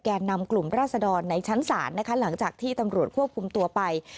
นำกลุ่มราศดรในชั้นศาลนะคะหลังจากที่ตำรวจควบคุมตัวไป